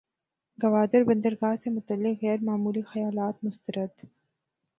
گوادر بندرگاہ سے متعلق غیر معمولی خیالات مسترد